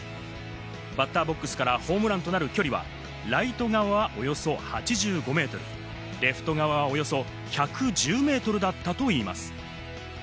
バッターボックスからホームランとなる距離はライト側はおよそ８５メートル、レフト側はおよそ１１０メートルだったといいます。